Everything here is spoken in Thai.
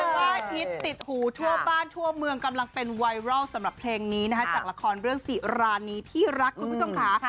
ว่าฮิตติดหูทั่วบ้านทั่วเมืองกำลังเป็นไวรัลสำหรับเพลงนี้นะคะจากละครเรื่องสิรานีที่รักคุณผู้ชมค่ะ